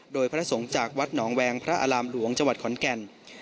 โดยพระสงฆ์จากวัดหนองแวงพระอารามหลวงจังหวัดขอนแก่น